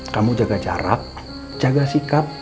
kamu jaga jarak jaga sikap